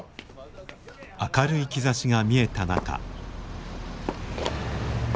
明るい兆しが見えた中。